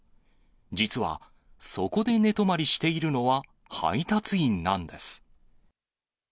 実はそこで寝泊まりしているのは、配達員なんです。